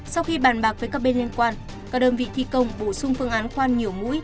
sau khi bàn bạc với các bên liên quan các đơn vị thi công bổ sung phương án khoan nhiều mũi